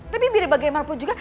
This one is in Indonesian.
tapi biar bagaimanapun juga